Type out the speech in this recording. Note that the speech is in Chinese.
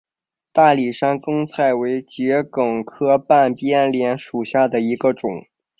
大理山梗菜为桔梗科半边莲属下的一个种。